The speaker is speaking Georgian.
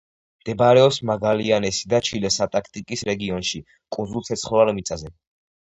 მდებარეობს მაგალიანესი და ჩილეს ანტარქტიკის რეგიონში, კუნძულ ცეცხლოვან მიწაზე.